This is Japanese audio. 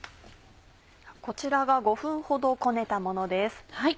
こちらが５分ほどこねたものです。